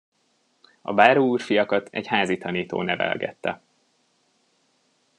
A báróúrfiakat egy házitanító nevelgette.